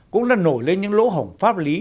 cũng đã nổi lên những lỗ hổng pháp lý